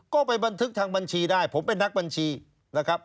ก็ไปบันทึกทางบัญชีได้ผมเป็นนักบัญชีนะครับ